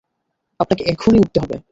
আপনাকে এখনই উঠতে হবে।